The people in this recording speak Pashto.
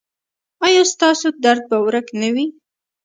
ایا ستاسو درد به ورک نه وي؟